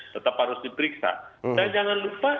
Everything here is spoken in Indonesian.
tetap harus diperiksa dan jangan lupa